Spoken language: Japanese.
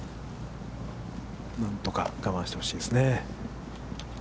何とか我慢してほしいですね。